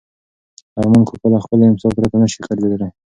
ارمان کاکا له خپلې امسا پرته نه شي ګرځېدلی.